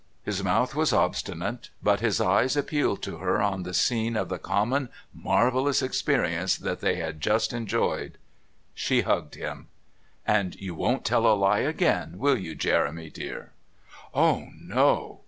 His mouth was obstinate, but his eyes appealed to her on the scene of the common marvellous experience that they had just enjoyed. She hugged him. "And you won't tell a lie again, will you, Jeremy, dear?" "Oh, no!"